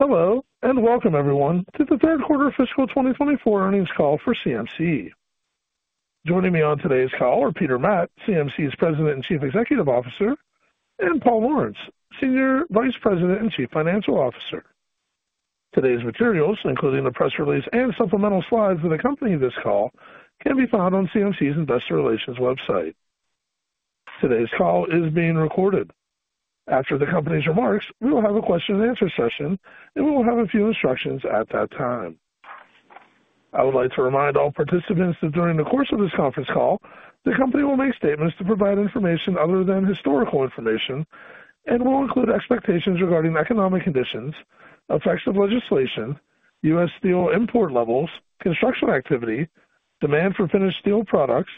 Hello, and welcome everyone to the third quarter fiscal 2024 earnings call for CMC. Joining me on today's call are Peter Matt, CMC's President and Chief Executive Officer, and Paul Lawrence, Senior Vice President and Chief Financial Officer. Today's materials, including the press release and supplemental slides that accompany this call, can be found on CMC's investor relations website. Today's call is being recorded. After the company's remarks, we will have a question-and-answer session, and we will have a few instructions at that time. I would like to remind all participants that during the course of this conference call, the company will make statements to provide information other than historical information and will include expectations regarding economic conditions, effects of legislation, U.S. steel import levels, construction activity, demand for finished steel products,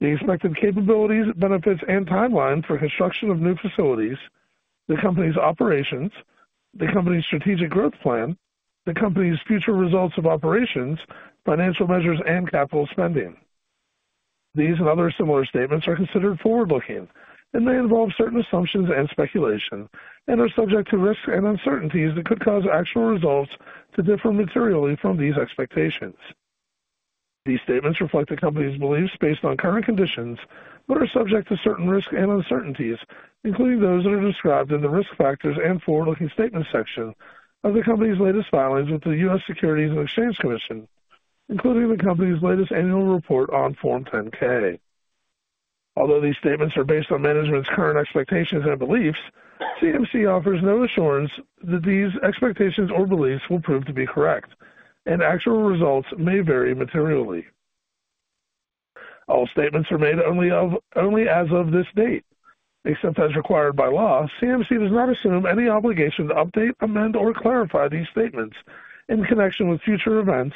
the expected capabilities, benefits, and timeline for construction of new facilities, the company's operations, the company's strategic growth plan, the company's future results of operations, financial measures, and capital spending. These and other similar statements are considered forward-looking, and they involve certain assumptions and speculation, and are subject to risks and uncertainties that could cause actual results to differ materially from these expectations. These statements reflect the company's beliefs based on current conditions but are subject to certain risks and uncertainties, including those that are described in the risk factors and forward-looking statements section of the company's latest filings with the U.S. Securities and Exchange Commission, including the company's latest annual report on Form 10-K. Although these statements are based on management's current expectations and beliefs, CMC offers no assurance that these expectations or beliefs will prove to be correct, and actual results may vary materially. All statements are made only as of this date. Except as required by law, CMC does not assume any obligation to update, amend, or clarify these statements in connection with future events,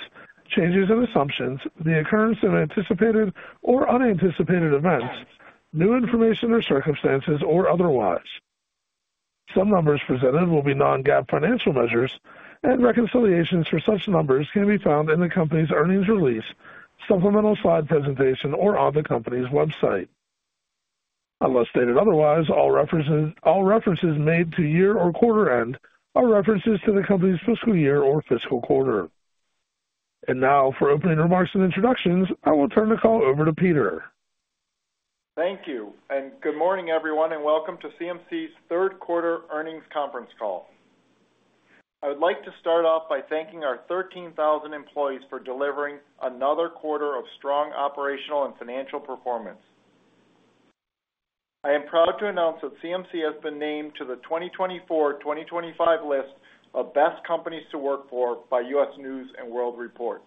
changes in assumptions, the occurrence of anticipated or unanticipated events, new information or circumstances, or otherwise. Some numbers presented will be non-GAAP financial measures, and reconciliations for such numbers can be found in the company's earnings release, supplemental slide presentation, or on the company's website. Unless stated otherwise, all references made to year or quarter end are references to the company's fiscal year or fiscal quarter. Now, for opening remarks and introductions, I will turn the call over to Peter. Thank you, and good morning, everyone, and welcome to CMC's third quarter earnings conference call. I would like to start off by thanking our 13,000 employees for delivering another quarter of strong operational and financial performance. I am proud to announce that CMC has been named to the 2024-2025 list of Best Companies to Work For by U.S. News & World Report.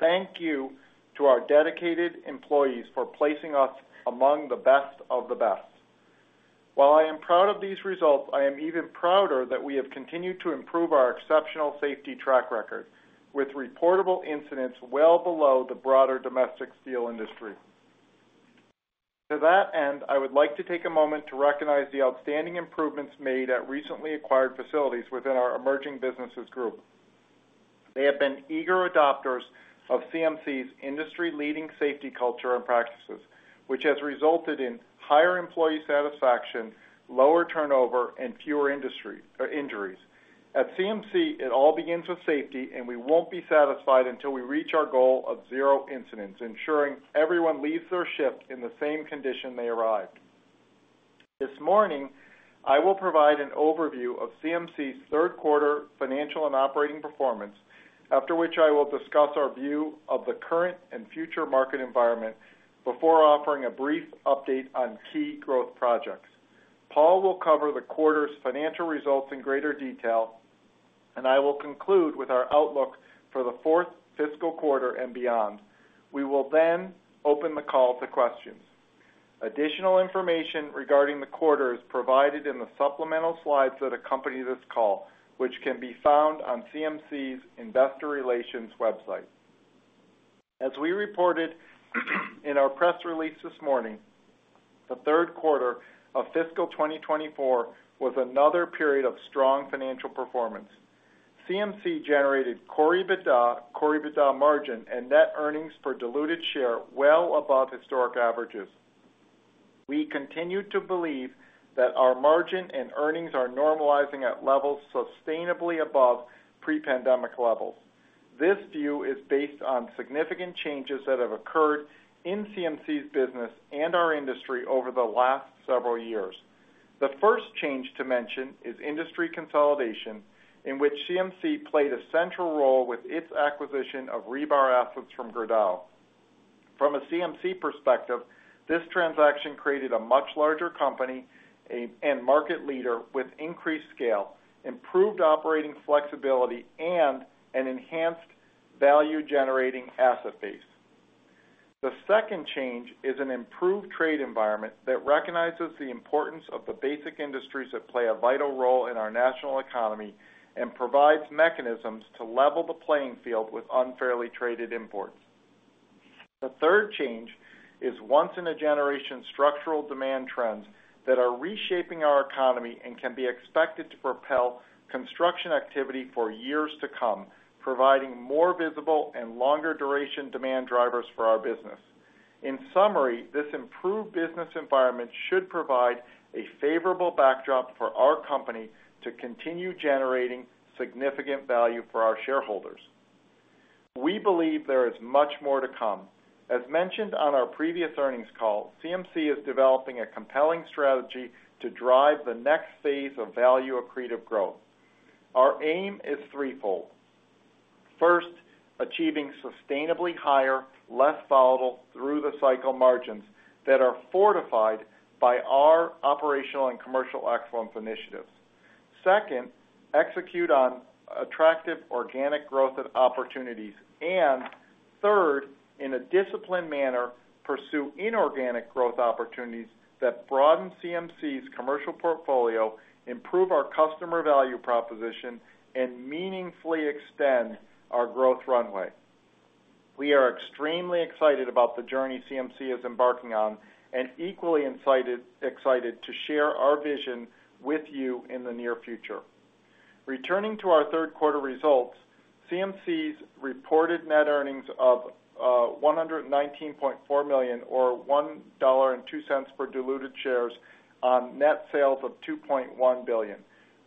Thank you to our dedicated employees for placing us among the best of the best. While I am proud of these results, I am even prouder that we have continued to improve our exceptional safety track record with reportable incidents well below the broader domestic steel industry. To that end, I would like to take a moment to recognize the outstanding improvements made at recently acquired facilities within our Emerging Businesses Group. They have been eager adopters of CMC's industry-leading safety culture and practices, which has resulted in higher employee satisfaction, lower turnover, and fewer injuries. At CMC, it all begins with safety, and we won't be satisfied until we reach our goal of zero incidents, ensuring everyone leaves their shift in the same condition they arrived. This morning, I will provide an overview of CMC's third quarter financial and operating performance, after which I will discuss our view of the current and future market environment before offering a brief update on key growth projects. Paul will cover the quarter's financial results in greater detail, and I will conclude with our outlook for the fourth fiscal quarter and beyond. We will then open the call to questions. Additional information regarding the quarter is provided in the supplemental slides that accompany this call, which can be found on CMC's Investor Relations website. As we reported in our press release this morning, the third quarter of fiscal 2024 was another period of strong financial performance. CMC generated core EBITDA, core EBITDA margin, and net earnings per diluted share well above historic averages. We continue to believe that our margin and earnings are normalizing at levels sustainably above pre-pandemic levels. This view is based on significant changes that have occurred in CMC's business and our industry over the last several years. The first change to mention is industry consolidation, in which CMC played a central role with its acquisition of rebar assets from Gerdau. From a CMC perspective, this transaction created a much larger company and market leader with increased scale, improved operating flexibility, and an enhanced value-generating asset base. The second change is an improved trade environment that recognizes the importance of the basic industries that play a vital role in our national economy and provides mechanisms to level the playing field with unfairly traded imports. The third change is once-in-a-generation structural demand trends that are reshaping our economy and can be expected to propel construction activity for years to come, providing more visible and longer-duration demand drivers for our business. In summary, this improved business environment should provide a favorable backdrop for our company to continue generating significant value for our shareholders. We believe there is much more to come. As mentioned on our previous earnings call, CMC is developing a compelling strategy to drive the next phase of value-accretive growth. Our aim is threefold. First, achieving sustainably higher, less volatile through-the-cycle margins that are fortified by our operational and commercial excellence initiatives. Second, execute on attractive organic growth opportunities. And third, in a disciplined manner, pursue inorganic growth opportunities that broaden CMC's commercial portfolio, improve our customer value proposition, and meaningfully extend our growth runway. We are extremely excited about the journey CMC is embarking on and equally excited to share our vision with you in the near future. Returning to our third quarter results, CMC's reported net earnings of $119.4 million, or $1.02 per diluted shares, on net sales of $2.1 billion.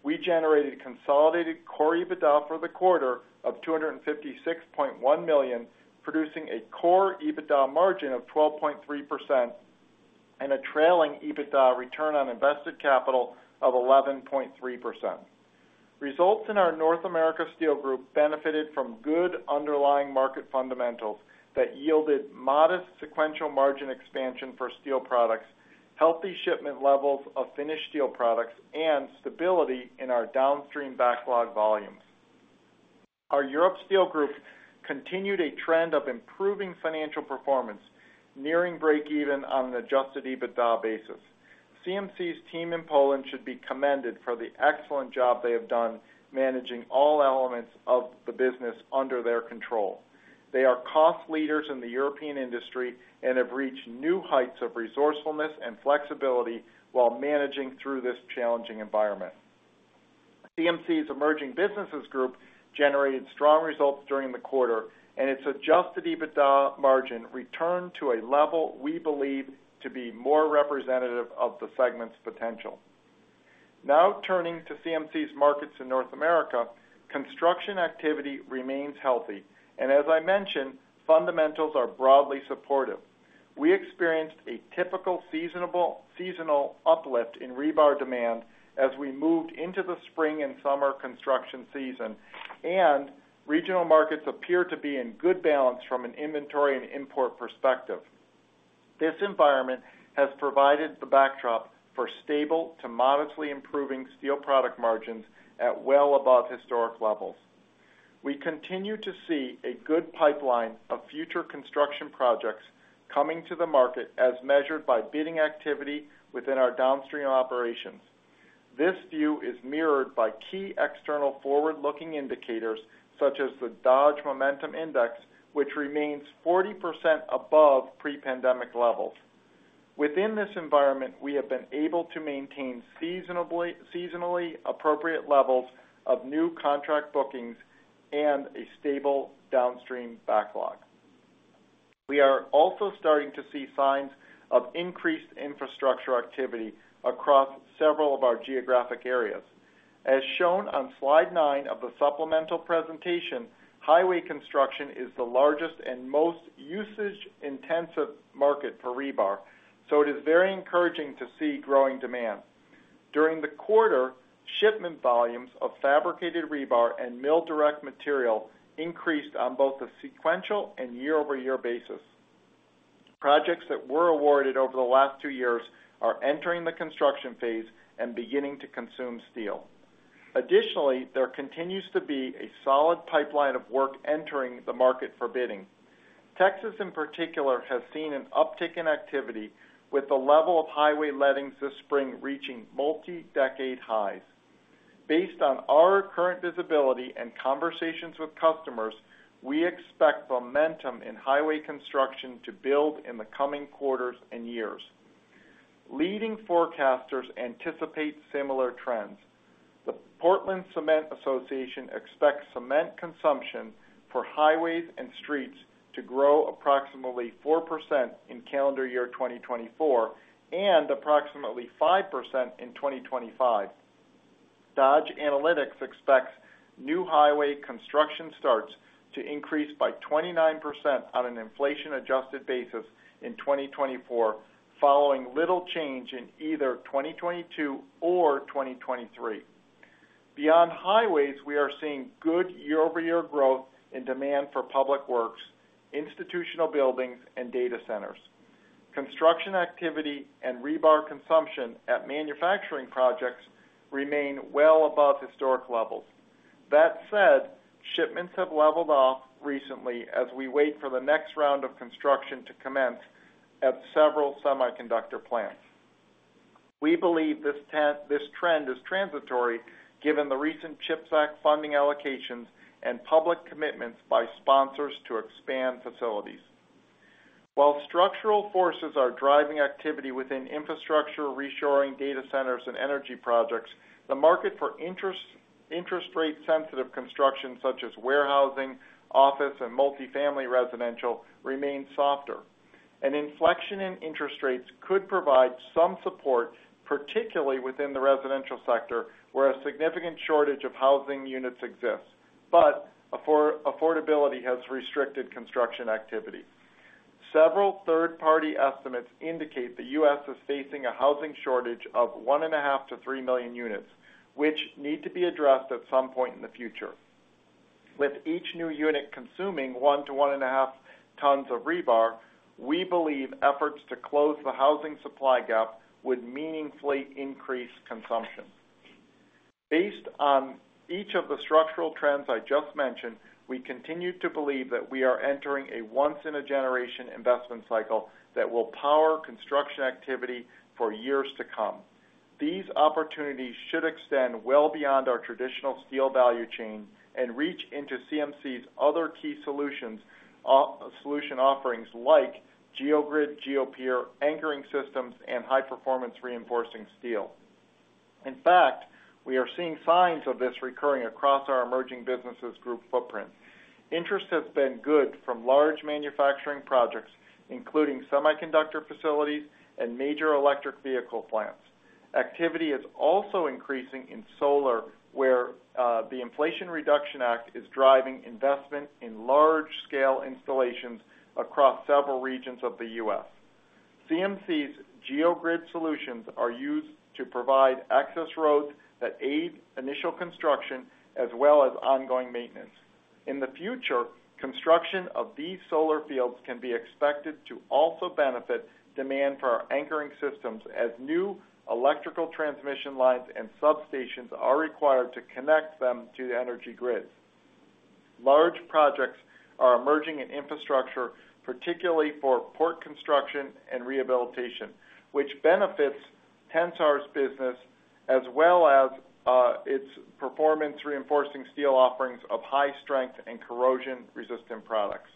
We generated consolidated core EBITDA for the quarter of $256.1 million, producing a core EBITDA margin of 12.3% and a trailing EBITDA return on invested capital of 11.3%. Results in our North America Steel Group benefited from good underlying market fundamentals that yielded modest sequential margin expansion for steel products, healthy shipment levels of finished steel products, and stability in our downstream backlog volumes. Our Europe Steel Group continued a trend of improving financial performance, nearing break-even on an adjusted EBITDA basis. CMC's team in Poland should be commended for the excellent job they have done managing all elements of the business under their control. They are cost leaders in the European industry and have reached new heights of resourcefulness and flexibility while managing through this challenging environment. CMC's Emerging Businesses Group generated strong results during the quarter, and its adjusted EBITDA margin returned to a level we believe to be more representative of the segment's potential. Now turning to CMC's markets in North America, construction activity remains healthy, and as I mentioned, fundamentals are broadly supportive. We experienced a typical seasonal uplift in rebar demand as we moved into the spring and summer construction season, and regional markets appear to be in good balance from an inventory and import perspective. This environment has provided the backdrop for stable to modestly improving steel product margins at well above historic levels. We continue to see a good pipeline of future construction projects coming to the market as measured by bidding activity within our downstream operations. This view is mirrored by key external forward-looking indicators such as the Dodge Momentum Index, which remains 40% above pre-pandemic levels. Within this environment, we have been able to maintain seasonally appropriate levels of new contract bookings and a stable downstream backlog. We are also starting to see signs of increased infrastructure activity across several of our geographic areas. As shown on slide nine of the supplemental presentation, highway construction is the largest and most usage-intensive market for rebar, so it is very encouraging to see growing demand. During the quarter, shipment volumes of fabricated rebar and mill-direct material increased on both a sequential and year-over-year basis. Projects that were awarded over the last two years are entering the construction phase and beginning to consume steel. Additionally, there continues to be a solid pipeline of work entering the market for bidding. Texas, in particular, has seen an uptick in activity, with the level of highway lettings this spring reaching multi-decade highs. Based on our current visibility and conversations with customers, we expect momentum in highway construction to build in the coming quarters and years. Leading forecasters anticipate similar trends. The Portland Cement Association expects cement consumption for highways and streets to grow approximately 4% in calendar year 2024 and approximately 5% in 2025. Dodge Analytics expects new highway construction starts to increase by 29% on an inflation-adjusted basis in 2024, following little change in either 2022 or 2023. Beyond highways, we are seeing good year-over-year growth in demand for public works, institutional buildings, and data centers. Construction activity and rebar consumption at manufacturing projects remain well above historic levels. That said, shipments have leveled off recently as we wait for the next round of construction to commence at several semiconductor plants. We believe this trend is transitory given the recent CHIPS Act funding allocations and public commitments by sponsors to expand facilities. While structural forces are driving activity within infrastructure, reshoring, data centers, and energy projects, the market for interest rate-sensitive construction, such as warehousing, office, and multifamily residential, remains softer. An inflection in interest rates could provide some support, particularly within the residential sector, where a significant shortage of housing units exists, but affordability has restricted construction activity. Several third-party estimates indicate the U.S. is facing a housing shortage of 1.5 million-3 million units, which need to be addressed at some point in the future. With each new unit consuming 1 tons to 1.5 tons of rebar, we believe efforts to close the housing supply gap would meaningfully increase consumption. Based on each of the structural trends I just mentioned, we continue to believe that we are entering a once-in-a-generation investment cycle that will power construction activity for years to come. These opportunities should extend well beyond our traditional steel value chain and reach into CMC's other key solution offerings like geogrid, Geopier, anchoring systems, and high-performance reinforcing steel. In fact, we are seeing signs of this recurring across our Emerging Businesses Group footprint. Interest has been good from large manufacturing projects, including semiconductor facilities and major electric vehicle plants. Activity is also increasing in solar, where the Inflation Reduction Act is driving investment in large-scale installations across several regions of the U.S. CMC's geogrid solutions are used to provide access roads that aid initial construction as well as ongoing maintenance. In the future, construction of these solar fields can be expected to also benefit demand for our anchoring systems as new electrical transmission lines and substations are required to connect them to the energy grid. Large projects are emerging in infrastructure, particularly for port construction and rehabilitation, which benefits Tensar's business as well as its performance-reinforcing steel offerings of high-strength and corrosion-resistant products.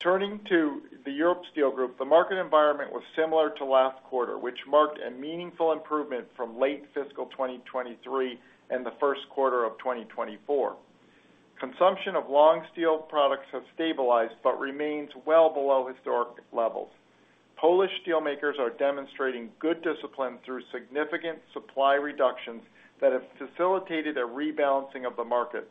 Turning to the Europe Steel Group, the market environment was similar to last quarter, which marked a meaningful improvement from late fiscal 2023 and the first quarter of 2024. Consumption of long steel products has stabilized but remains well below historic levels. Polish steelmakers are demonstrating good discipline through significant supply reductions that have facilitated a rebalancing of the market.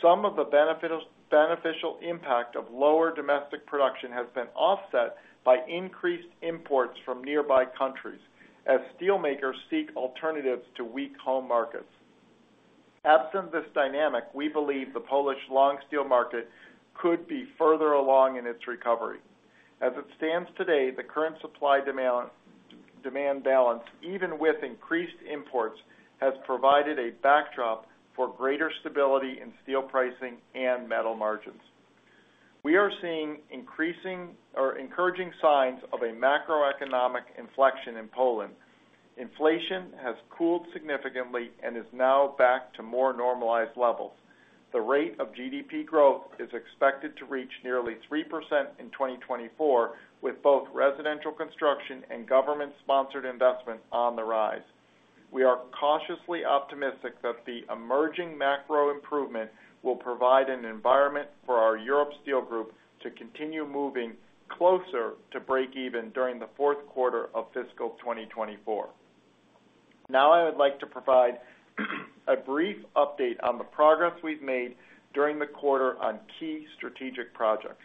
Some of the beneficial impact of lower domestic production has been offset by increased imports from nearby countries as steelmakers seek alternatives to weak home markets. Absent this dynamic, we believe the Polish long steel market could be further along in its recovery. As it stands today, the current supply-demand balance, even with increased imports, has provided a backdrop for greater stability in steel pricing and metal margins. We are seeing encouraging signs of a macroeconomic inflection in Poland. Inflation has cooled significantly and is now back to more normalized levels. The rate of GDP growth is expected to reach nearly 3% in 2024, with both residential construction and government-sponsored investment on the rise. We are cautiously optimistic that the emerging macro improvement will provide an environment for our Europe Steel Group to continue moving closer to break-even during the fourth quarter of fiscal 2024. Now, I would like to provide a brief update on the progress we've made during the quarter on key strategic projects.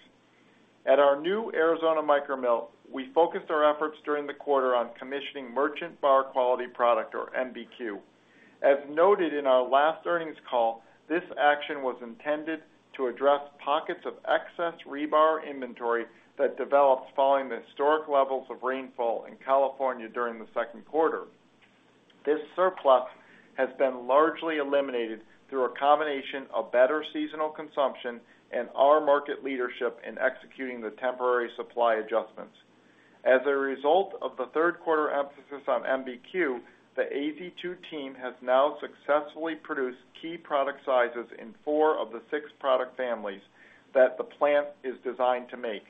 At our new Arizona micro mill, we focused our efforts during the quarter on commissioning Merchant Bar Quality Product, or MBQ. As noted in our last earnings call, this action was intended to address pockets of excess rebar inventory that developed following the historic levels of rainfall in California during the second quarter. This surplus has been largely eliminated through a combination of better seasonal consumption and our market leadership in executing the temporary supply adjustments. As a result of the third quarter emphasis on MBQ, the AZ2 team has now successfully produced key product sizes in four of the six product families that the plant is designed to make.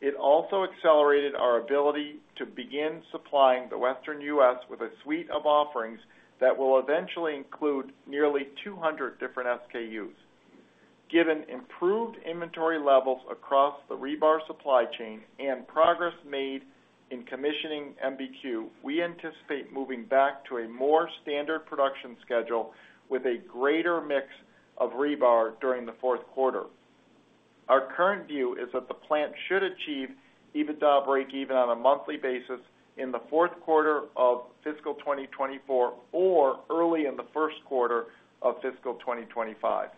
It also accelerated our ability to begin supplying the western U.S. With a suite of offerings that will eventually include nearly 200 different SKUs. Given improved inventory levels across the rebar supply chain and progress made in commissioning MBQ, we anticipate moving back to a more standard production schedule with a greater mix of rebar during the fourth quarter. Our current view is that the plant should achieve EBITDA break-even on a monthly basis in the fourth quarter of fiscal 2024 or early in the first quarter of fiscal 2025.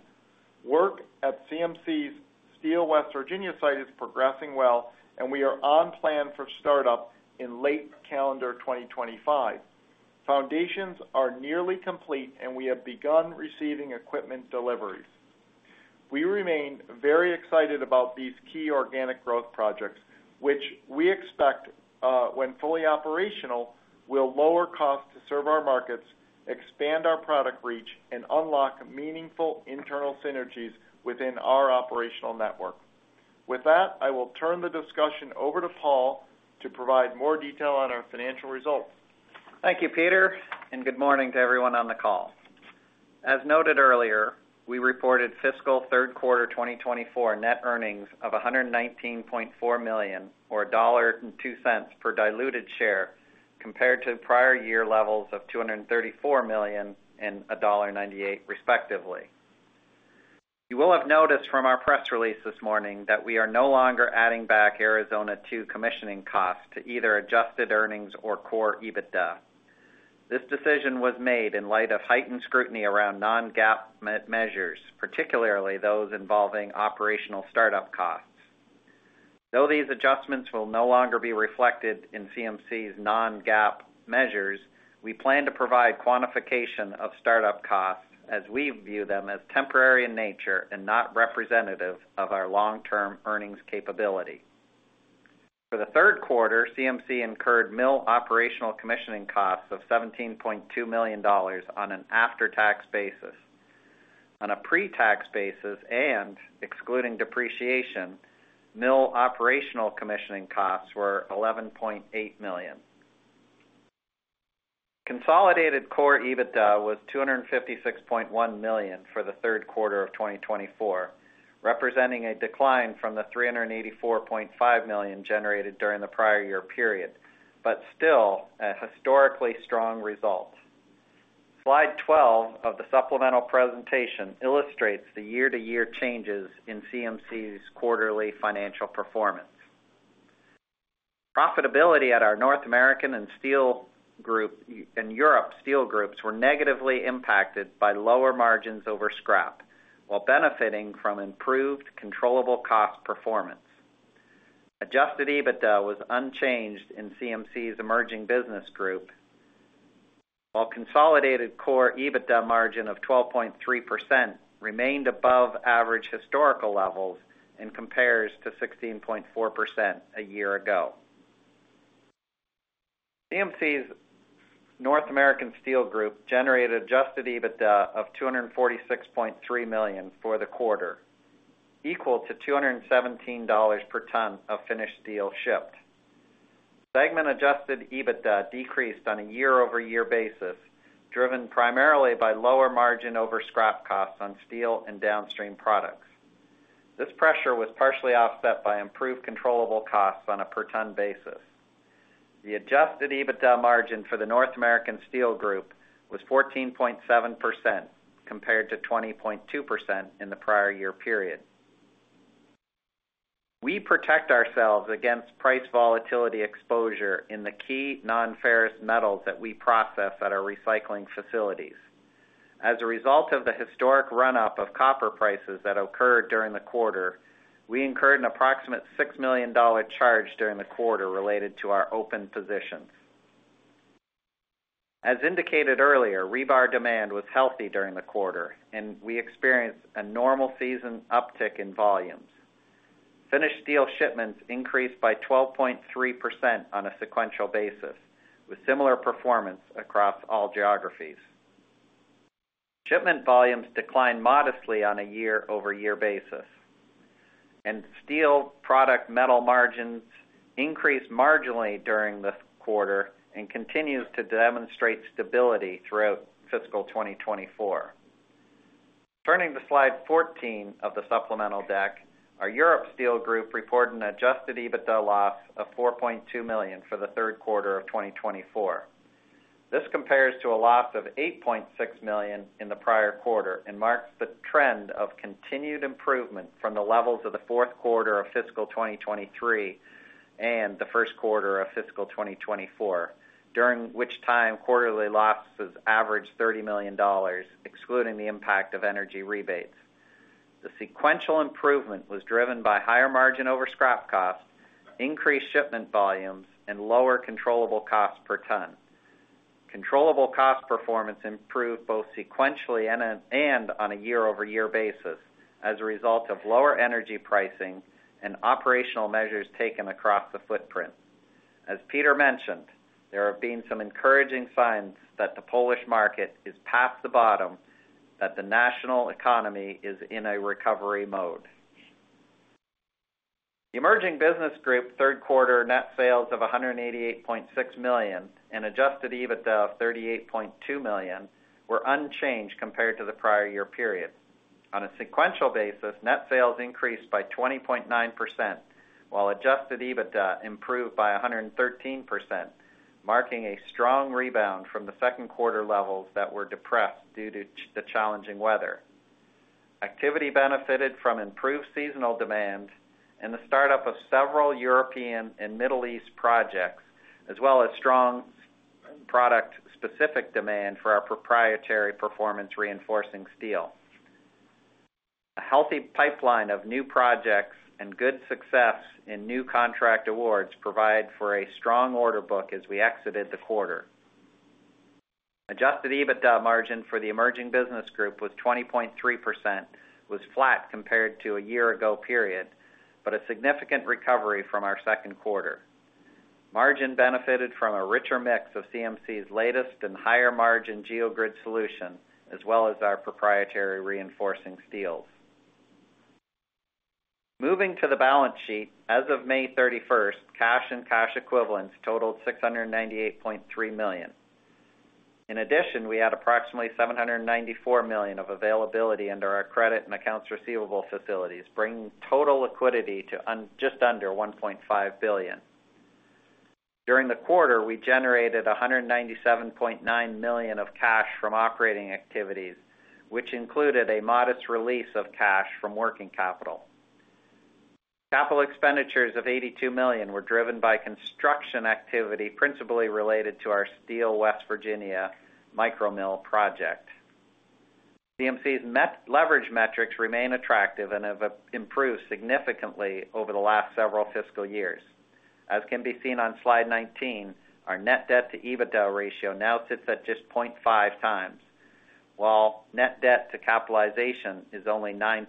Work at CMC's Steel West Virginia site is progressing well, and we are on plan for startup in late calendar 2025. Foundations are nearly complete, and we have begun receiving equipment deliveries. We remain very excited about these key organic growth projects, which we expect, when fully operational, will lower costs to serve our markets, expand our product reach, and unlock meaningful internal synergies within our operational network. With that, I will turn the discussion over to Paul to provide more detail on our financial results. Thank you, Peter, and good morning to everyone on the call. As noted earlier, we reported fiscal third quarter 2024 net earnings of $119.4 million, or $1.02 per diluted share, compared to prior year levels of $234 million and $1.98, respectively. You will have noticed from our press release this morning that we are no longer adding back Arizona to commissioning costs to either adjusted earnings or core EBITDA. This decision was made in light of heightened scrutiny around non-GAAP measures, particularly those involving operational startup costs. Though these adjustments will no longer be reflected in CMC's non-GAAP measures, we plan to provide quantification of startup costs as we view them as temporary in nature and not representative of our long-term earnings capability. For the third quarter, CMC incurred mill operational commissioning costs of $17.2 million on an after-tax basis. On a pre-tax basis and excluding depreciation, mill operational commissioning costs were $11.8 million. Consolidated core EBITDA was $256.1 million for the third quarter of 2024, representing a decline from the $384.5 million generated during the prior year period, but still a historically strong result. Slide 12 of the supplemental presentation illustrates the year-to-year changes in CMC's quarterly financial performance. Profitability at our North America Steel Group and Europe Steel Groups were negatively impacted by lower margins over scrap while benefiting from improved controllable cost performance. Adjusted EBITDA was unchanged in CMC's Emerging Business Group, while consolidated core EBITDA margin of 12.3% remained above average historical levels and compares to 16.4% a year ago. CMC's North American Steel Group generated adjusted EBITDA of $246.3 million for the quarter, equal to $217 per ton of finished steel shipped. Segment-adjusted EBITDA decreased on a year-over-year basis, driven primarily by lower margin over scrap costs on steel and downstream products. This pressure was partially offset by improved controllable costs on a per-ton basis. The adjusted EBITDA margin for the North American Steel Group was 14.7% compared to 20.2% in the prior year period. We protect ourselves against price volatility exposure in the key non-ferrous metals that we process at our recycling facilities. As a result of the historic run-up of copper prices that occurred during the quarter, we incurred an approximate $6 million charge during the quarter related to our open positions. As indicated earlier, rebar demand was healthy during the quarter, and we experienced a normal season uptick in volumes. Finished steel shipments increased by 12.3% on a sequential basis, with similar performance across all geographies. Shipment volumes declined modestly on a year-over-year basis, and steel product metal margins increased marginally during this quarter and continue to demonstrate stability throughout fiscal 2024. Turning to slide 14 of the supplemental deck, our Europe Steel Group reported an adjusted EBITDA loss of $4.2 million for the third quarter of 2024. This compares to a loss of $8.6 million in the prior quarter and marks the trend of continued improvement from the levels of the fourth quarter of fiscal 2023 and the first quarter of fiscal 2024, during which time quarterly losses averaged $30 million, excluding the impact of energy rebates. The sequential improvement was driven by higher margin over scrap costs, increased shipment volumes, and lower controllable costs per ton. Controllable cost performance improved both sequentially and on a year-over-year basis as a result of lower energy pricing and operational measures taken across the footprint. As Peter mentioned, there have been some encouraging signs that the Polish market is past the bottom, that the national economy is in a recovery mode. The Emerging Business Group third quarter net sales of $188.6 million and adjusted EBITDA of $38.2 million were unchanged compared to the prior year period. On a sequential basis, net sales increased by 20.9%, while adjusted EBITDA improved by 113%, marking a strong rebound from the second quarter levels that were depressed due to the challenging weather. Activity benefited from improved seasonal demand and the startup of several European and Middle East projects, as well as strong product-specific demand for our proprietary performance-reinforcing steel. A healthy pipeline of new projects and good success in new contract awards provided for a strong order book as we exited the quarter. Adjusted EBITDA margin for the Emerging Business Group was 20.3%, which was flat compared to a year-ago period, but a significant recovery from our second quarter. Margin benefited from a richer mix of CMC's latest and higher-margin geogrid solution, as well as our proprietary reinforcing steels. Moving to the balance sheet, as of May 31st, cash and cash equivalents totaled $698.3 million. In addition, we had approximately $794 million of availability under our credit and accounts receivable facilities, bringing total liquidity to just under $1.5 billion. During the quarter, we generated $197.9 million of cash from operating activities, which included a modest release of cash from working capital. Capital expenditures of $82 million were driven by construction activity principally related to our Steel West Virginia micro mill project. CMC's leverage metrics remain attractive and have improved significantly over the last several fiscal years. As can be seen on slide 19, our net debt-to-EBITDA ratio now sits at just 0.5x, while net debt to capitalization is only 9%.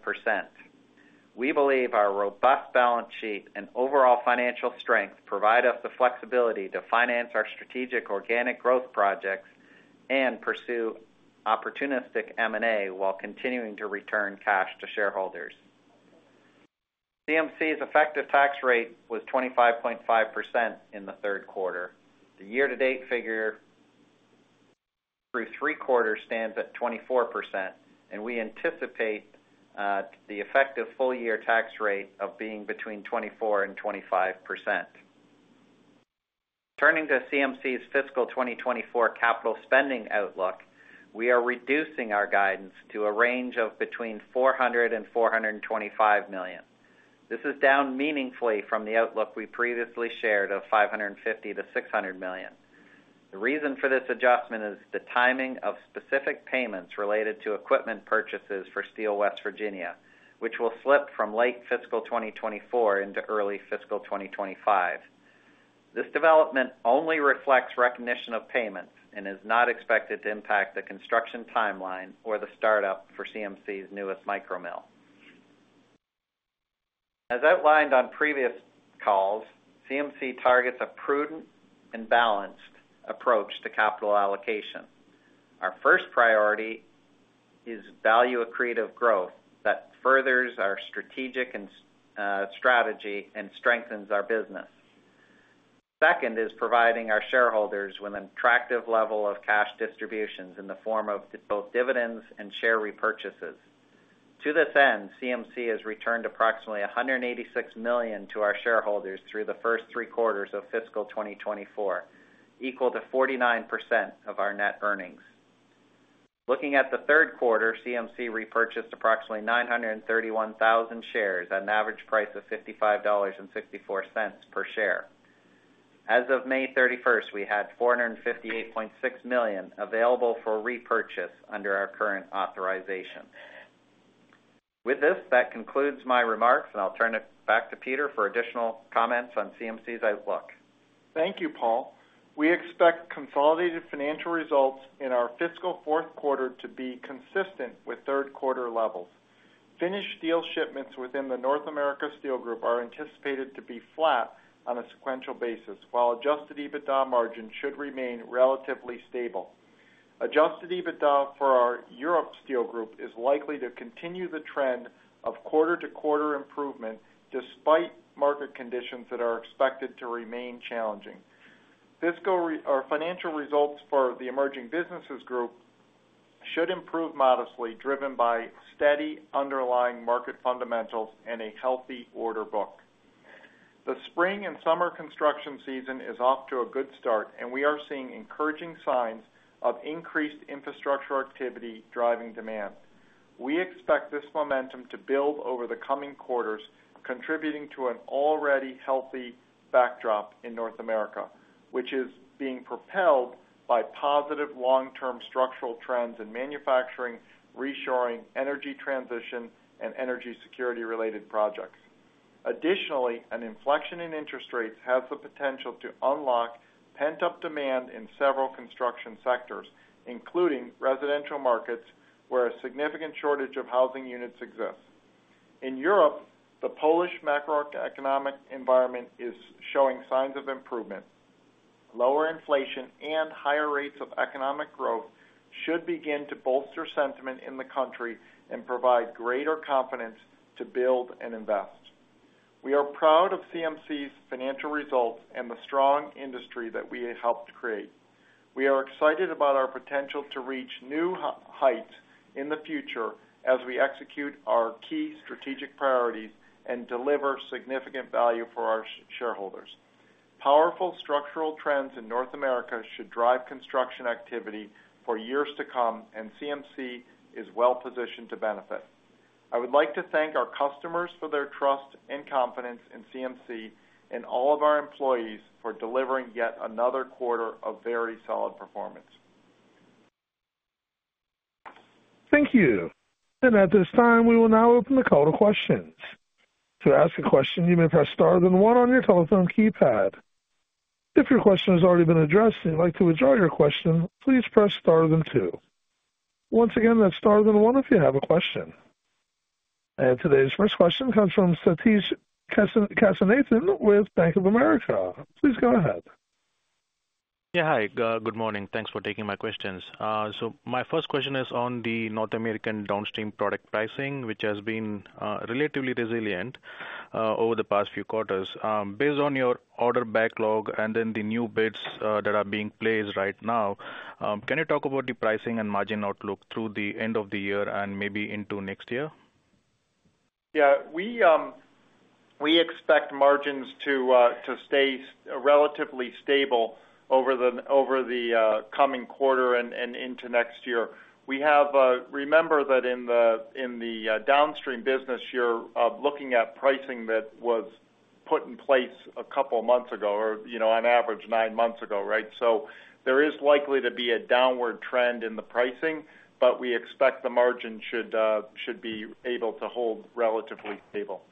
We believe our robust balance sheet and overall financial strength provide us the flexibility to finance our strategic organic growth projects and pursue opportunistic M&A while continuing to return cash to shareholders. CMC's effective tax rate was 25.5% in the third quarter. The year-to-date figure through three quarters stands at 24%, and we anticipate the effective full-year tax rate of being between 24%-25%. Turning to CMC's fiscal 2024 capital spending outlook, we are reducing our guidance to a range of between $400 million-$425 million. This is down meaningfully from the outlook we previously shared of $550 million-$600 million. The reason for this adjustment is the timing of specific payments related to equipment purchases for Steel West Virginia, which will slip from late fiscal 2024 into early fiscal 2025. This development only reflects recognition of payments and is not expected to impact the construction timeline or the startup for CMC's newest micro mill. As outlined on previous calls, CMC targets a prudent and balanced approach to capital allocation. Our first priority is value-accretive growth that furthers our strategic strategy and strengthens our business. Second is providing our shareholders with an attractive level of cash distributions in the form of both dividends and share repurchases. To this end, CMC has returned approximately $186 million to our shareholders through the first three quarters of fiscal 2024, equal to 49% of our net earnings. Looking at the third quarter, CMC repurchased approximately 931,000 shares at an average price of $55.64 per share. As of May 31st, we had $458.6 million available for repurchase under our current authorization. With this, that concludes my remarks, and I'll turn it back to Peter for additional comments on CMC's outlook. Thank you, Paul. We expect consolidated financial results in our fiscal fourth quarter to be consistent with third quarter levels. Finished steel shipments within the North America Steel Group are anticipated to be flat on a sequential basis, while adjusted EBITDA margin should remain relatively stable. Adjusted EBITDA for our Europe Steel Group is likely to continue the trend of quarter-to-quarter improvement despite market conditions that are expected to remain challenging. Our financial results for the Emerging Businesses Group should improve modestly, driven by steady underlying market fundamentals and a healthy order book. The spring and summer construction season is off to a good start, and we are seeing encouraging signs of increased infrastructure activity driving demand. We expect this momentum to build over the coming quarters, contributing to an already healthy backdrop in North America, which is being propelled by positive long-term structural trends in manufacturing, reshoring, energy transition, and energy security-related projects. Additionally, an inflection in interest rates has the potential to unlock pent-up demand in several construction sectors, including residential markets, where a significant shortage of housing units exists. In Europe, the Polish macroeconomic environment is showing signs of improvement. Lower inflation and higher rates of economic growth should begin to bolster sentiment in the country and provide greater confidence to build and invest. We are proud of CMC's financial results and the strong industry that we helped create. We are excited about our potential to reach new heights in the future as we execute our key strategic priorities and deliver significant value for our shareholders. Powerful structural trends in North America should drive construction activity for years to come, and CMC is well-positioned to benefit. I would like to thank our customers for their trust and confidence in CMC and all of our employees for delivering yet another quarter of very solid performance. Thank you. At this time, we will now open the call to questions. To ask a question, you may press star then one on your telephone keypad. If your question has already been addressed and you'd like to withdraw your question, please press star then two. Once again, that's star then one if you have a question. Today's first question comes from Sathish Kasinathan with Bank of America. Please go ahead. Yeah, hi. Good morning. Thanks for taking my questions. So my first question is on the North American downstream product pricing, which has been relatively resilient over the past few quarters. Based on your order backlog and then the new bids that are being placed right now, can you talk about the pricing and margin outlook through the end of the year and maybe into next year? Yeah. We expect margins to stay relatively stable over the coming quarter and into next year. We have to remember that in the downstream business, you're looking at pricing that was put in place a couple of months ago or, on average, nine months ago, right? So there is likely to be a downward trend in the pricing, but we expect the margin should be able to hold relatively stable. Okay.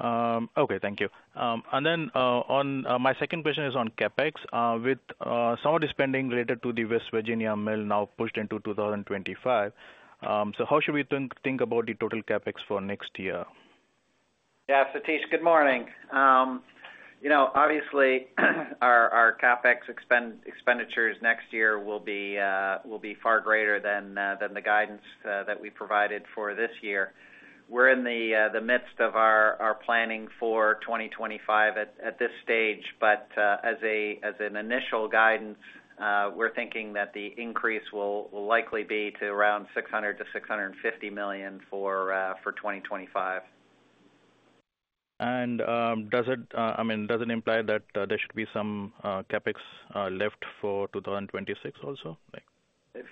Thank you. Then my second question is on CapEx, with some of the spending related to the West Virginia mill now pushed into 2025. How should we think about the total CapEx for next year? Yeah, Sathish, good morning. Obviously, our CapEx expenditures next year will be far greater than the guidance that we provided for this year. We're in the midst of our planning for 2025 at this stage, but as an initial guidance, we're thinking that the increase will likely be to around $600 million-$650 million for 2025. I mean, does it imply that there should be some CapEx left for 2026 also?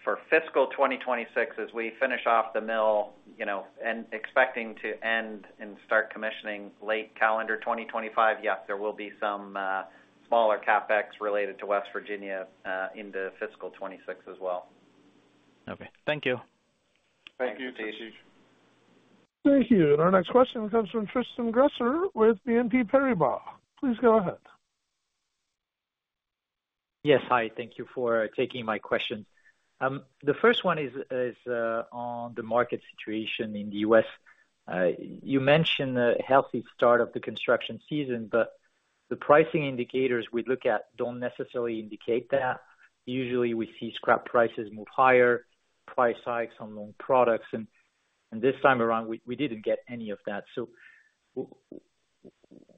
For fiscal 2026, as we finish off the mill and expecting to end and start commissioning late calendar 2025, yes, there will be some smaller CapEx related to West Virginia into fiscal 2026 as well. Okay. Thank you. Thank you, Sathish. Thank you. And our next question comes from Tristan Gresser with BNP Paribas. Please go ahead. Yes. Hi. Thank you for taking my questions. The first one is on the market situation in the U.S. You mentioned a healthy start of the construction season, but the pricing indicators we look at don't necessarily indicate that. Usually, we see scrap prices move higher, price hikes on long products, and this time around, we didn't get any of that. So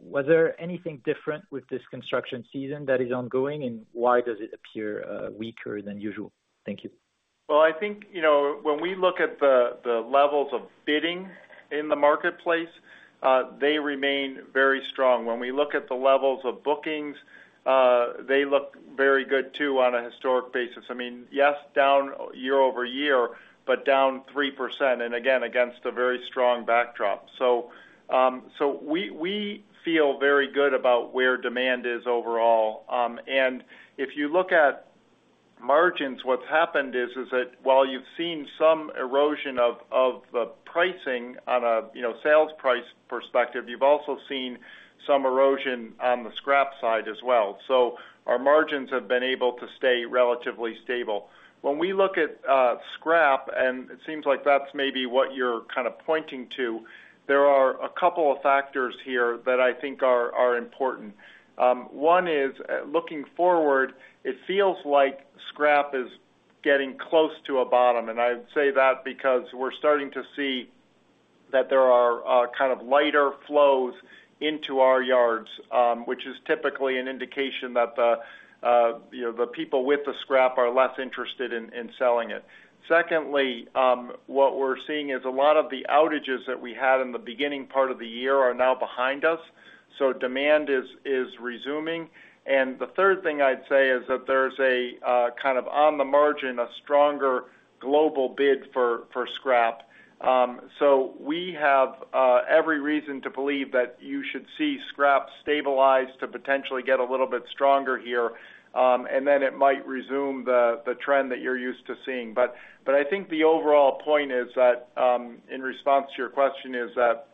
was there anything different with this construction season that is ongoing, and why does it appear weaker than usual? Thank you. Well, I think when we look at the levels of bidding in the marketplace, they remain very strong. When we look at the levels of bookings, they look very good too on a historic basis. I mean, yes, down year-over-year, but down 3%, and again, against a very strong backdrop. So we feel very good about where demand is overall. If you look at margins, what's happened is that while you've seen some erosion of the pricing on a sales price perspective, you've also seen some erosion on the scrap side as well. So our margins have been able to stay relatively stable. When we look at scrap, and it seems like that's maybe what you're kind of pointing to, there are a couple of factors here that I think are important. One is, looking forward, it feels like scrap is getting close to a bottom. And I would say that because we're starting to see that there are kind of lighter flows into our yards, which is typically an indication that the people with the scrap are less interested in selling it. Secondly, what we're seeing is a lot of the outages that we had in the beginning part of the year are now behind us, so demand is resuming. And the third thing I'd say is that there's a kind of on the margin, a stronger global bid for scrap. So we have every reason to believe that you should see scrap stabilize to potentially get a little bit stronger here, and then it might resume the trend that you're used to seeing. But I think the overall point is that, in response to your question, is that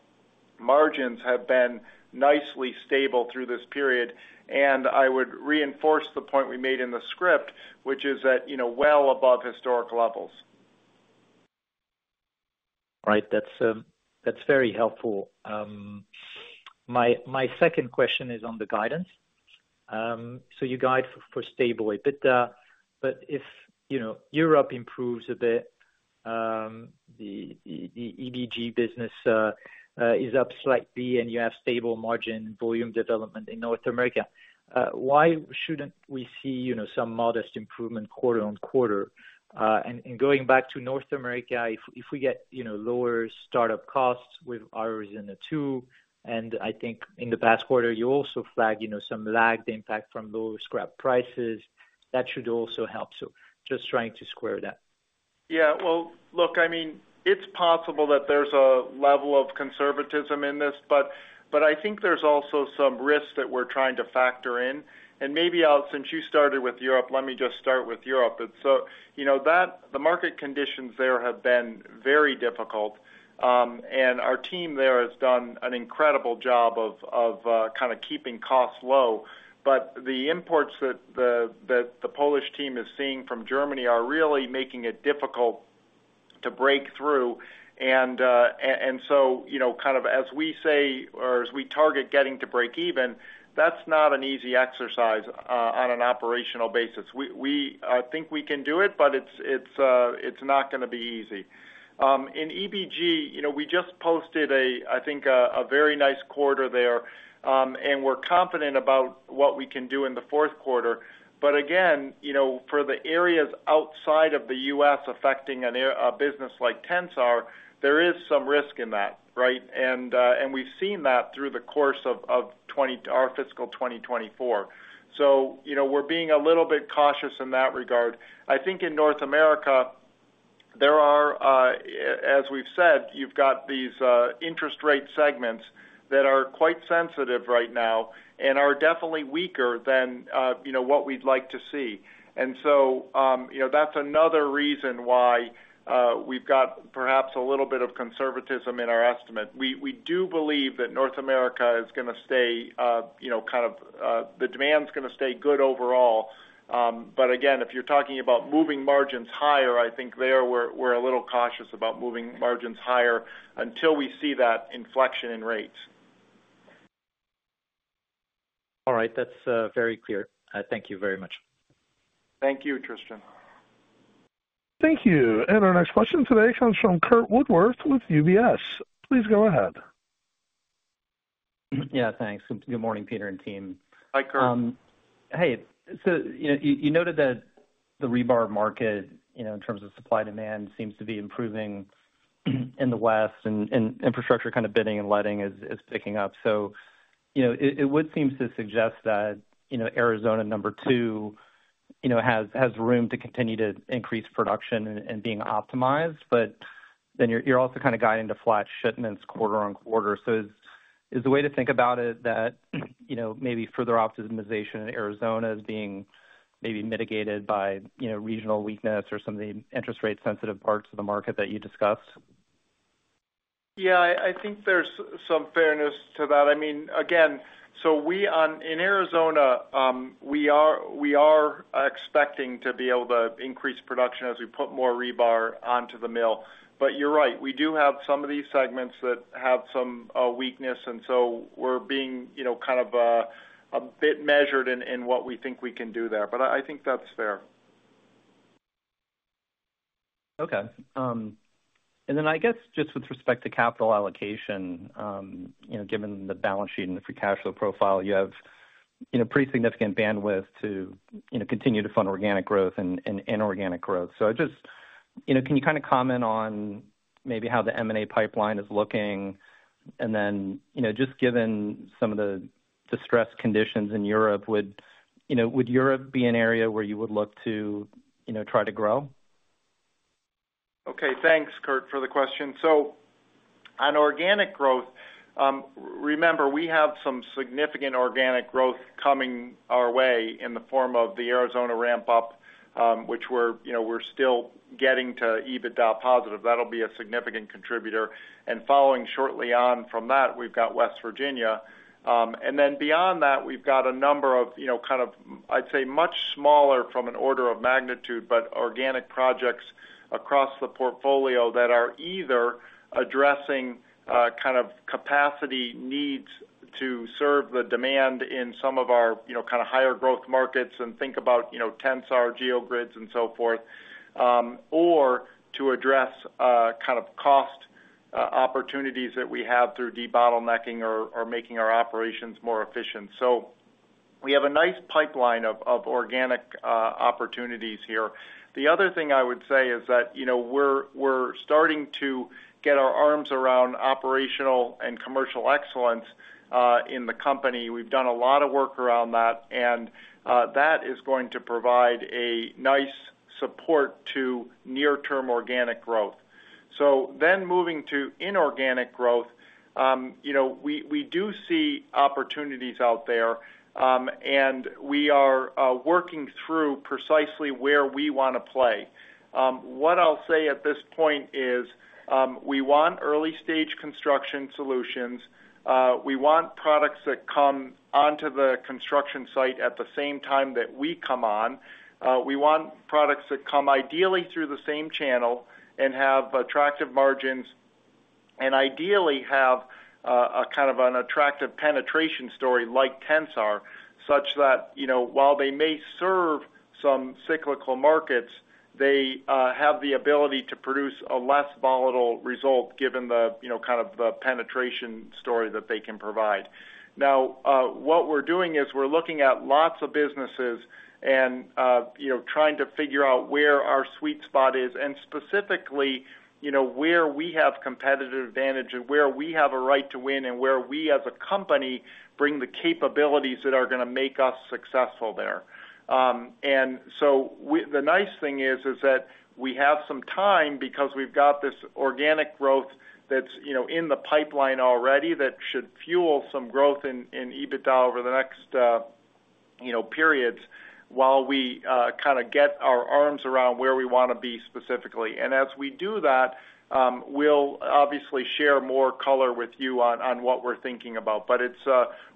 margins have been nicely stable through this period. I would reinforce the point we made in the script, which is that well above historic levels. All right. That's very helpful. My second question is on the guidance. So you guide for stable EBITDA, but if Europe improves a bit, the EBG business is up slightly, and you have stable margin volume development in North America, why shouldn't we see some modest improvement quarter on quarter? And going back to North America, if we get lower startup costs with AZ2, and I think in the past quarter, you also flagged some lagged impact from lower scrap prices, that should also help. So just trying to square that. Yeah. Well, look, I mean, it's possible that there's a level of conservatism in this, but I think there's also some risks that we're trying to factor in. Maybe since you started with Europe, let me just start with Europe. So the market conditions there have been very difficult, and our team there has done an incredible job of kind of keeping costs low. But the imports that the Polish team is seeing from Germany are really making it difficult to break through. And so kind of as we say or as we target getting to break even, that's not an easy exercise on an operational basis. We think we can do it, but it's not going to be easy. In EBG, we just posted, I think, a very nice quarter there, and we're confident about what we can do in the fourth quarter. But again, for the areas outside of the U.S. affecting a business like Tensar, there is some risk in that, right? And we've seen that through the course of our fiscal 2024. So we're being a little bit cautious in that regard. I think in North America, there are, as we've said, you've got these interest rate segments that are quite sensitive right now and are definitely weaker than what we'd like to see. And so that's another reason why we've got perhaps a little bit of conservatism in our estimate. We do believe that North America is going to stay kind of the demand's going to stay good overall. But again, if you're talking about moving margins higher, I think there we're a little cautious about moving margins higher until we see that inflection in rates. All right. That's very clear. Thank you very much. Thank you, Tristan. Thank you. Our next question today comes from Curt Woodworth with UBS. Please go ahead. Yeah. Thanks. Good morning, Peter and team. Hi, Curt. Hey. So you noted that the rebar market, in terms of supply demand, seems to be improving in the West, and infrastructure kind of bidding and letting is picking up. So it would seem to suggest that Arizona number two has room to continue to increase production and being optimized, but then you're also kind of guiding to flat shipments quarter-over-quarter. So is the way to think about it that maybe further optimization in Arizona is being maybe mitigated by regional weakness or some of the interest rate-sensitive parts of the market that you discussed? Yeah. I think there's some fairness to that. I mean, again, so in Arizona, we are expecting to be able to increase production as we put more rebar onto the mill. But you're right. We do have some of these segments that have some weakness, and so we're being kind of a bit measured in what we think we can do there. But I think that's fair. Okay. And then I guess just with respect to capital allocation, given the balance sheet and the free cash flow profile, you have pretty significant bandwidth to continue to fund organic growth and inorganic growth. So can you kind of comment on maybe how the M&A pipeline is looking? And then just given some of the distressed conditions in Europe, would Europe be an area where you would look to try to grow? Okay. Thanks, Curt, for the question. So on organic growth, remember, we have some significant organic growth coming our way in the form of the Arizona ramp-up, which we're still getting to EBITDA positive. That'll be a significant contributor. And following shortly on from that, we've got West Virginia. And then beyond that, we've got a number of kind of, I'd say, much smaller from an order of magnitude, but organic projects across the portfolio that are either addressing kind of capacity needs to serve the demand in some of our kind of higher growth markets and think about Tensar, geogrids, and so forth, or to address kind of cost opportunities that we have through debottlenecking or making our operations more efficient. So we have a nice pipeline of organic opportunities here. The other thing I would say is that we're starting to get our arms around operational and commercial excellence in the company. We've done a lot of work around that, and that is going to provide a nice support to near-term organic growth. So then moving to inorganic growth, we do see opportunities out there, and we are working through precisely where we want to play. What I'll say at this point is we want early-stage construction solutions. We want products that come onto the construction site at the same time that we come on. We want products that come ideally through the same channel and have attractive margins and ideally have kind of an attractive penetration story like Tensar, such that while they may serve some cyclical markets, they have the ability to produce a less volatile result given kind of the penetration story that they can provide. Now, what we're doing is we're looking at lots of businesses and trying to figure out where our sweet spot is and specifically where we have competitive advantage and where we have a right to win and where we as a company bring the capabilities that are going to make us successful there. And so the nice thing is that we have some time because we've got this organic growth that's in the pipeline already that should fuel some growth in EBITDA over the next periods while we kind of get our arms around where we want to be specifically. And as we do that, we'll obviously share more color with you on what we're thinking about. But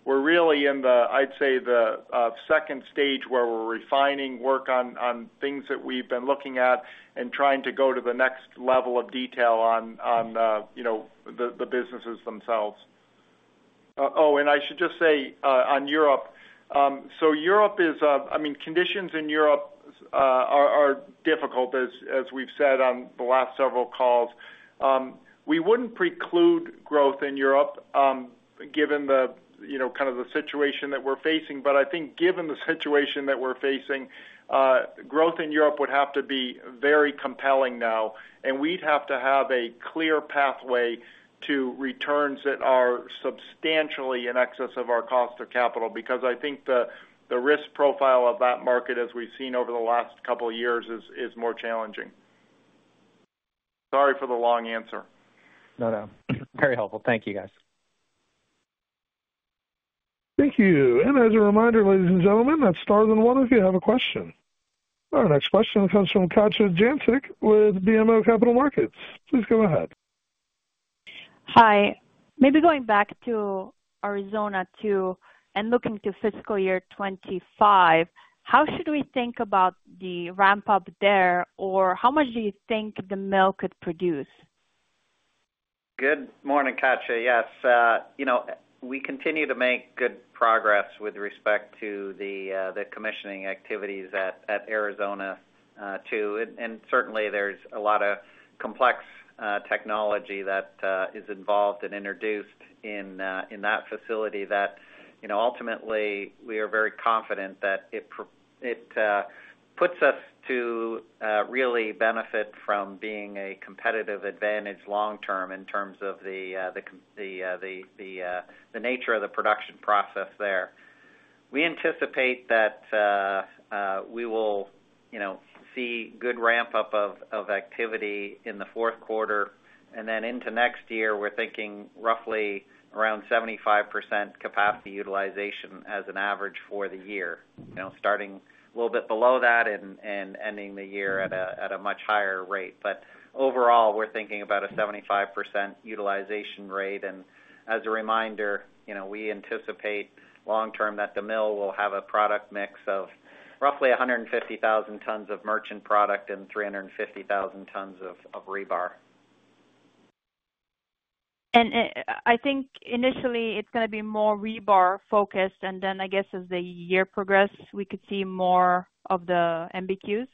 we're really in the, I'd say, the second stage where we're refining work on things that we've been looking at and trying to go to the next level of detail on the businesses themselves. Oh, and I should just say on Europe, so Europe is I mean, conditions in Europe are difficult, as we've said on the last several calls. We wouldn't preclude growth in Europe given kind of the situation that we're facing, but I think given the situation that we're facing, growth in Europe would have to be very compelling now. And we'd have to have a clear pathway to returns that are substantially in excess of our cost of capital because I think the risk profile of that market, as we've seen over the last couple of years, is more challenging. Sorry for the long answer. No, no. Very helpful. Thank you, guys. Thank you. As a reminder, ladies and gentlemen, that's star one if you have a question. Our next question comes from Katja Jancic with BMO Capital Markets. Please go ahead. Hi. Maybe going back to Arizona 2 and looking to fiscal year 2025, how should we think about the ramp-up there, or how much do you think the mill could produce? Good morning, Katja. Yes. We continue to make good progress with respect to the commissioning activities at Arizona 2. And certainly, there's a lot of complex technology that is involved and introduced in that facility that ultimately we are very confident that it puts us to really benefit from being a competitive advantage long-term in terms of the nature of the production process there. We anticipate that we will see good ramp-up of activity in the fourth quarter. And then into next year, we're thinking roughly around 75% capacity utilization as an average for the year, starting a little bit below that and ending the year at a much higher rate. But overall, we're thinking about a 75% utilization rate. And as a reminder, we anticipate long-term that the mill will have a product mix of roughly 150,000 tons of merchant product and 350,000 tons of rebar. I think initially it's going to be more rebar-focused, and then I guess as the year progress, we could see more of the MBQs?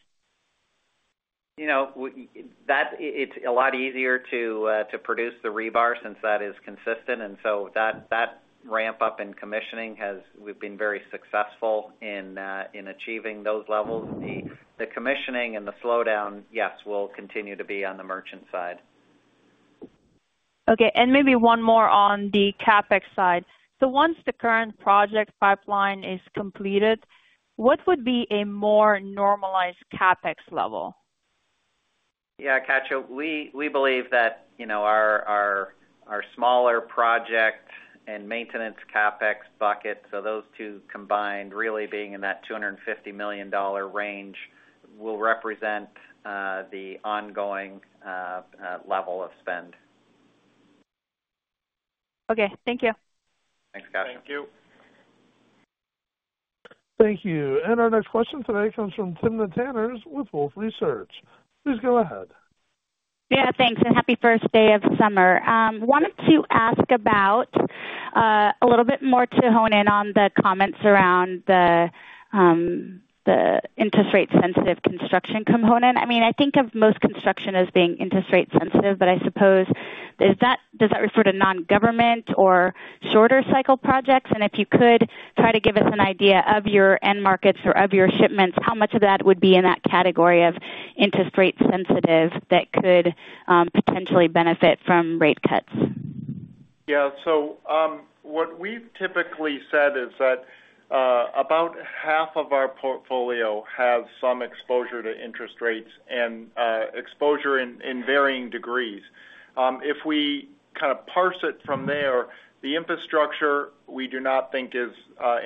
It's a lot easier to produce the rebar since that is consistent. And so that ramp-up in commissioning has been very successful in achieving those levels. The commissioning and the slowdown, yes, will continue to be on the merchant side. Okay. Maybe one more on the CapEx side. Once the current project pipeline is completed, what would be a more normalized CapEx level? Yeah, Katja, we believe that our smaller project and maintenance CapEx bucket, so those two combined, really being in that $250 million range, will represent the ongoing level of spend. Okay. Thank you. Thanks, Katja. Thank you. Thank you. And our next question today comes from Timna Tanners with Wolfe Research. Please go ahead. Yeah. Thanks. And happy first day of summer. Wanted to ask about a little bit more to hone in on the comments around the interest rate-sensitive construction component. I mean, I think of most construction as being interest rate-sensitive, but I suppose does that refer to non-government or shorter-cycle projects? And if you could try to give us an idea of your end markets or of your shipments, how much of that would be in that category of interest rate-sensitive that could potentially benefit from rate cuts? Yeah. So what we've typically said is that about half of our portfolio has some exposure to interest rates and exposure in varying degrees. If we kind of parse it from there, the infrastructure we do not think is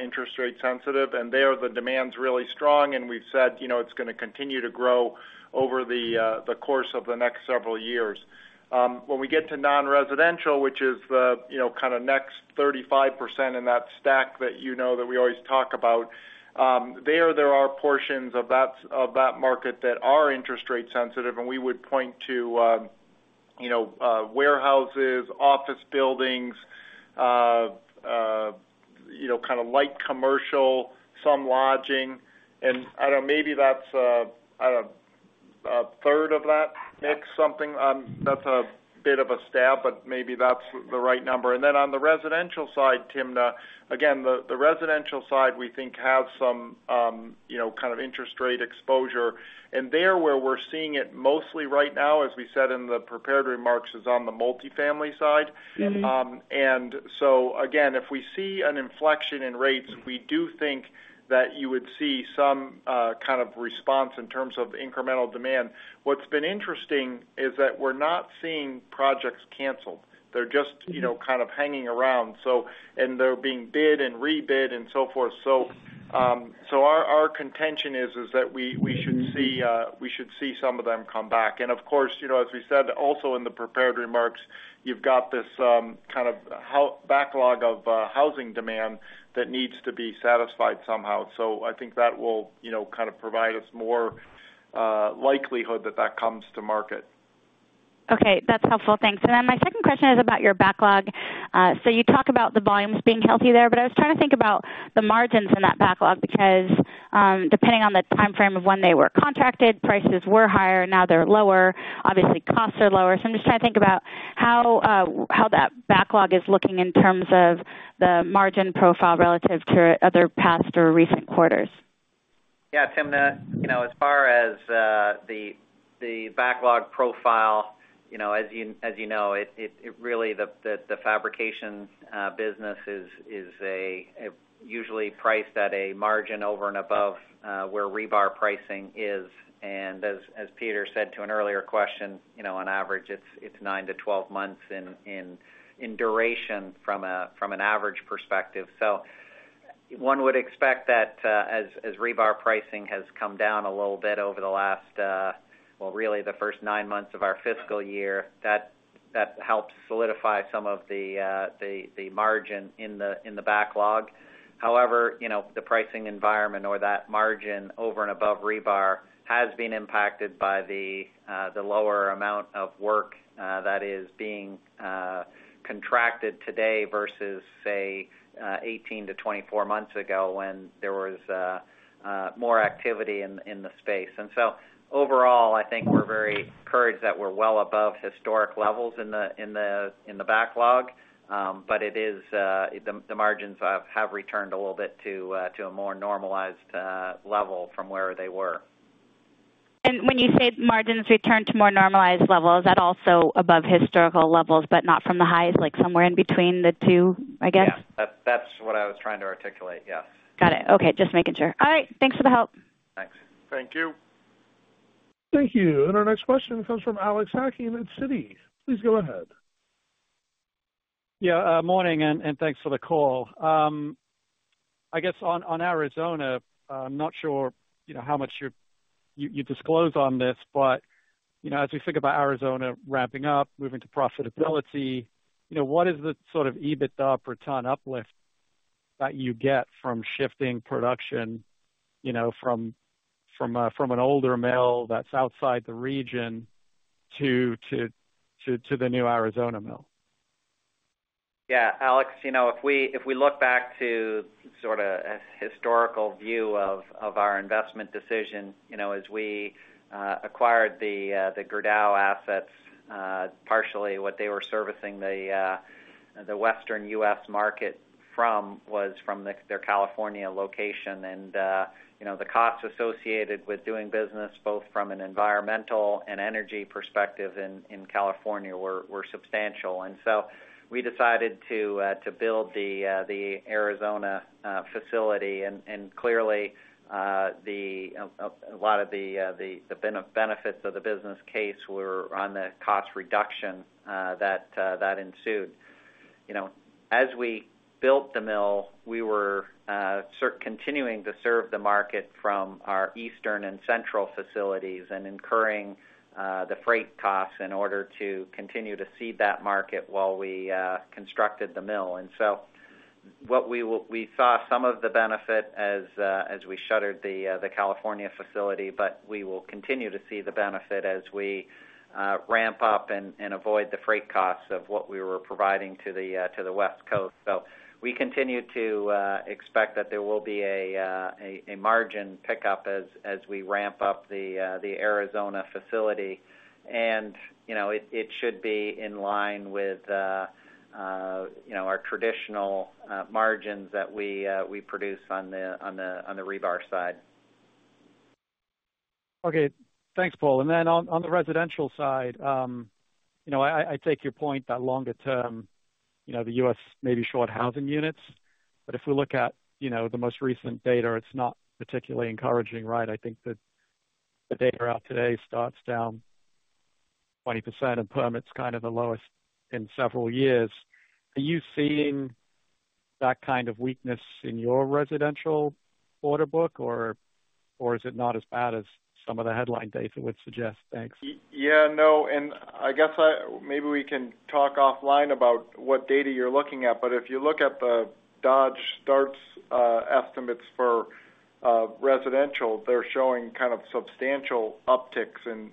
interest rate-sensitive, and there the demand's really strong, and we've said it's going to continue to grow over the course of the next several years. When we get to non-residential, which is the kind of next 35% in that stack that you know that we always talk about, there are portions of that market that are interest rate-sensitive, and we would point to warehouses, office buildings, kind of light commercial, some lodging. And I don't know, maybe that's a third of that mix, something. That's a bit of a stab, but maybe that's the right number. And then on the residential side, Timna, again, the residential side we think has some kind of interest rate exposure. And there where we're seeing it mostly right now, as we said in the prepared remarks, is on the multifamily side. And so again, if we see an inflection in rates, we do think that you would see some kind of response in terms of incremental demand. What's been interesting is that we're not seeing projects canceled. They're just kind of hanging around, and they're being bid and re-bid and so forth. So our contention is that we should see some of them come back. And of course, as we said also in the prepared remarks, you've got this kind of backlog of housing demand that needs to be satisfied somehow. So I think that will kind of provide us more likelihood that that comes to market. Okay. That's helpful. Thanks. And then my second question is about your backlog. So you talk about the volumes being healthy there, but I was trying to think about the margins in that backlog because depending on the timeframe of when they were contracted, prices were higher. Now they're lower. Obviously, costs are lower. So I'm just trying to think about how that backlog is looking in terms of the margin profile relative to other past or recent quarters. Yeah. Timna, as far as the backlog profile, as you know, really the fabrication business is usually priced at a margin over and above where rebar pricing is. And as Peter said to an earlier question, on average, it's nine to 12 months in duration from an average perspective. So one would expect that as rebar pricing has come down a little bit over the last, well, really the first nine months of our fiscal year, that helps solidify some of the margin in the backlog. However, the pricing environment or that margin over and above rebar has been impacted by the lower amount of work that is being contracted today versus, say, 18-24 months ago when there was more activity in the space. And so overall, I think we're very encouraged that we're well above historic levels in the backlog, but the margins have returned a little bit to a more normalized level from where they were. When you say margins returned to more normalized levels, is that also above historical levels, but not from the highs, like somewhere in between the two, I guess? Yeah. That's what I was trying to articulate. Yes. Got it. Okay. Just making sure. All right. Thanks for the help. Thanks. Thank you. Thank you. And our next question comes from Alex Hacking at Citi. Please go ahead. Yeah. Morning and thanks for the call. I guess on Arizona, I'm not sure how much you disclose on this, but as we think about Arizona ramping up, moving to profitability, what is the sort of EBITDA per ton uplift that you get from shifting production from an older mill that's outside the region to the new Arizona mill? Yeah. Alex, if we look back to sort of a historical view of our investment decision, as we acquired the Gerdau assets, partially what they were servicing the Western U.S. market from was from their California location. And the costs associated with doing business, both from an environmental and energy perspective in California, were substantial. And so we decided to build the Arizona facility. And clearly, a lot of the benefits of the business case were on the cost reduction that ensued. As we built the mill, we were continuing to serve the market from our eastern and central facilities and incurring the freight costs in order to continue to seed that market while we constructed the mill. And so we saw some of the benefit as we shuttered the California facility, but we will continue to see the benefit as we ramp up and avoid the freight costs of what we were providing to the West Coast. So we continue to expect that there will be a margin pickup as we ramp up the Arizona facility. And it should be in line with our traditional margins that we produce on the rebar side. Okay. Thanks, Paul. And then on the residential side, I take your point that longer-term, the U.S. may be short housing units. But if we look at the most recent data, it's not particularly encouraging, right? I think the data out today starts down 20%, and permits kind of the lowest in several years. Are you seeing that kind of weakness in your residential order book, or is it not as bad as some of the headline data would suggest? Thanks. Yeah. No. And I guess maybe we can talk offline about what data you're looking at. But if you look at the Dodge starts estimates for residential, they're showing kind of substantial upticks in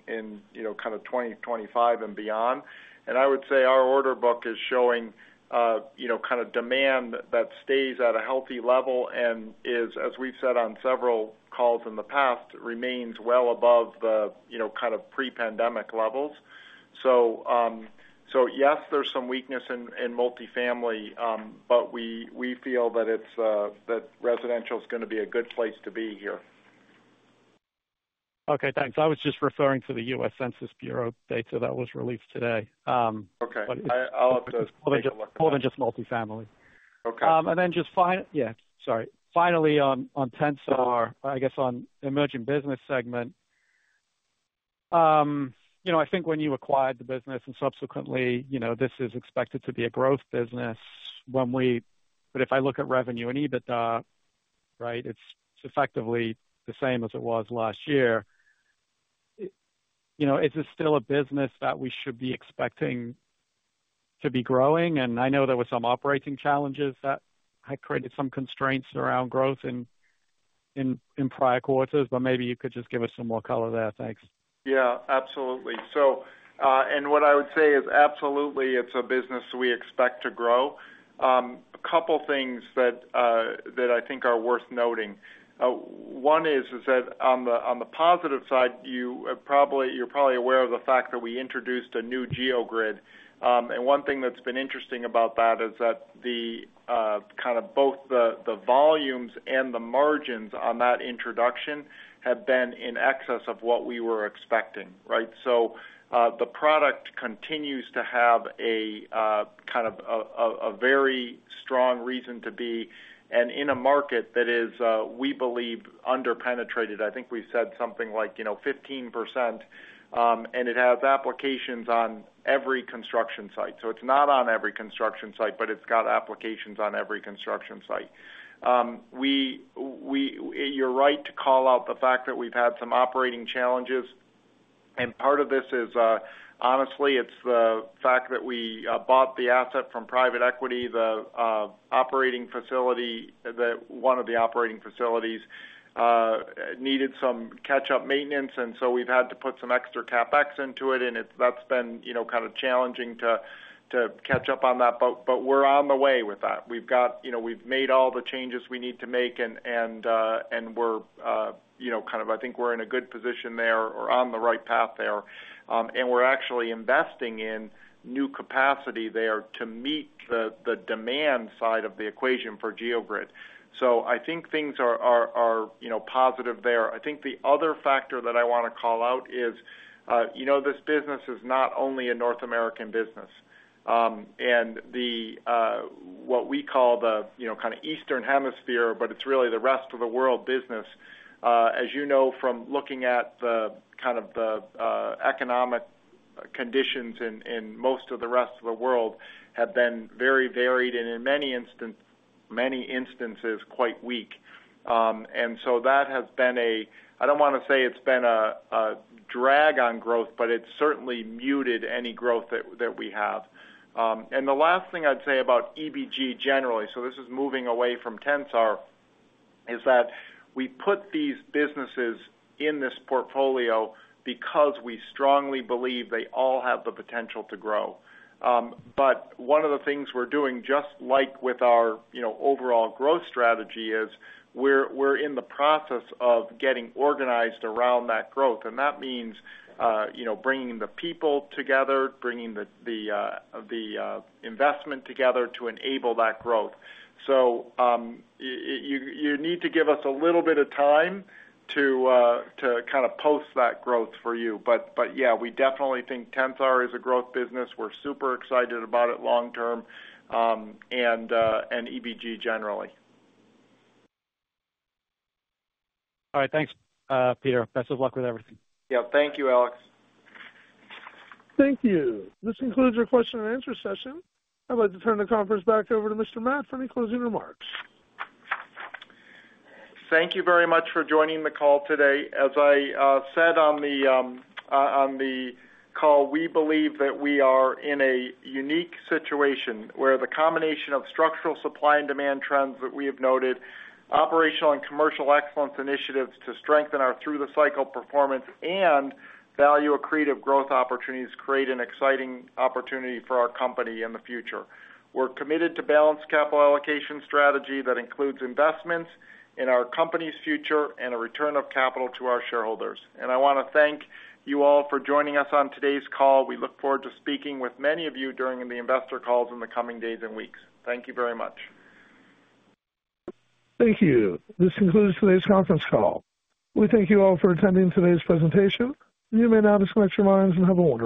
kind of 2025 and beyond. And I would say our order book is showing kind of demand that stays at a healthy level and is, as we've said on several calls in the past, remains well above the kind of pre-pandemic levels. So yes, there's some weakness in multifamily, but we feel that residential is going to be a good place to be here. Okay. Thanks. I was just referring to the U.S. Census Bureau data that was released today. Okay. I'll have to. It's more than just multifamily. Okay. And then just finally, yeah. Sorry. Finally, on Tensar, I guess on emerging business segment, I think when you acquired the business and subsequently this is expected to be a growth business, but if I look at revenue and EBITDA, right, it's effectively the same as it was last year. Is this still a business that we should be expecting to be growing? And I know there were some operating challenges that had created some constraints around growth in prior quarters, but maybe you could just give us some more color there. Thanks. Yeah. Absolutely. What I would say is absolutely it's a business we expect to grow. A couple of things that I think are worth noting. One is that on the positive side, you're probably aware of the fact that we introduced a new geogrid. And one thing that's been interesting about that is that kind of both the volumes and the margins on that introduction have been in excess of what we were expecting, right? So the product continues to have kind of a very strong reason to be in a market that is, we believe, underpenetrated. I think we've said something like 15%, and it has applications on every construction site. So it's not on every construction site, but it's got applications on every construction site. You're right to call out the fact that we've had some operating challenges. And part of this is, honestly, it's the fact that we bought the asset from private equity. One of the operating facilities needed some catch-up maintenance, and so we've had to put some extra CapEx into it. And that's been kind of challenging to catch up on that. But we're on the way with that. We've made all the changes we need to make, and we're kind of, I think we're in a good position there or on the right path there. And we're actually investing in new capacity there to meet the demand side of the equation for geogrid. So I think things are positive there. I think the other factor that I want to call out is this business is not only a North American business. What we call the kind of Eastern Hemisphere, but it's really the rest of the world business, as you know from looking at kind of the economic conditions in most of the rest of the world, have been very varied and in many instances quite weak. So that has been a, I don't want to say it's been a drag on growth, but it's certainly muted any growth that we have. And the last thing I'd say about EBG generally, so this is moving away from Tensar, is that we put these businesses in this portfolio because we strongly believe they all have the potential to grow. But one of the things we're doing, just like with our overall growth strategy, is we're in the process of getting organized around that growth. And that means bringing the people together, bringing the investment together to enable that growth. So you need to give us a little bit of time to kind of post that growth for you. But yeah, we definitely think Tensar is a growth business. We're super excited about it long-term and EBG generally. All right. Thanks, Peter. Best of luck with everything. Yeah. Thank you, Alex. Thank you. This concludes our question and answer session. I'd like to turn the conference back over to Mr. Matt for any closing remarks. Thank you very much for joining the call today. As I said on the call, we believe that we are in a unique situation where the combination of structural supply and demand trends that we have noted, operational and commercial excellence initiatives to strengthen our through-the-cycle performance and value accretive growth opportunities create an exciting opportunity for our company in the future. We're committed to balanced capital allocation strategy that includes investments in our company's future and a return of capital to our shareholders. I want to thank you all for joining us on today's call. We look forward to speaking with many of you during the investor calls in the coming days and weeks. Thank you very much. Thank you. This concludes today's conference call. We thank you all for attending today's presentation. You may now disconnect your lines and have a wonderful.